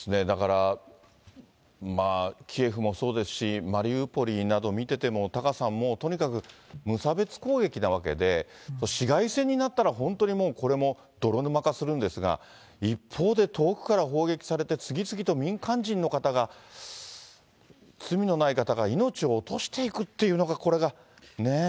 だから、キエフもそうですし、マリウポリなどを見てても、タカさん、もうとにかく無差別攻撃なわけで、市街戦になったら本当にもう、これも泥沼化するんですが、一方で遠くから砲撃されて、次々と民間人の方が、罪のない方が命を落としていくっていうのが、これがね。